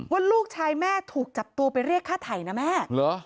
ว่าลูกชายแม่ถูกจับตัวไปเรียกค่าไถ่นะแม่เหรอ